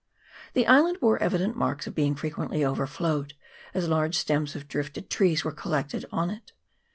The island bore evident marks of being frequently overflowed, as large stems of drifted trees were collected on it.